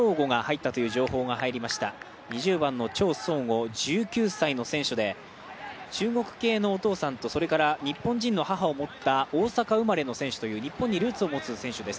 ２０番のチョウ・ソウゴ１９歳の選手で、中国系のお父さんと日本人の母を持った大阪生まれの日本人にルーツを持つ選手です。